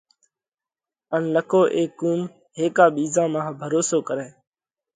ان نڪو اي قُوم هيڪا ٻِيزا مانه ڀروسو ڪرئه۔